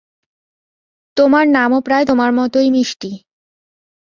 তোমার নামও প্রায় তোমার মতই মিষ্টি।